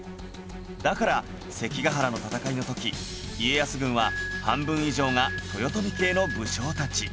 だから関ヶ原の戦いの時家康軍は半分以上が豊臣系の武将たち